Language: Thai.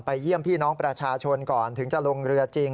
เยี่ยมพี่น้องประชาชนก่อนถึงจะลงเรือจริง